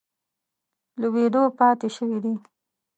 لوبېدو پاتې شوي دي.